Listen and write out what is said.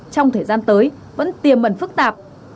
trong thời gian tới vẫn tiềm mần phức tạp